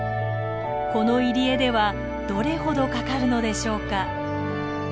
この入り江ではどれほどかかるのでしょうか。